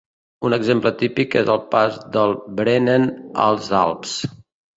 Un exemple típic és el pas del Brenner als Alps.